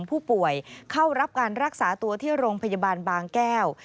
ผู้ป่วยเข้ารับการรักษาตัวที่โรงพยาบาลบางแก้ว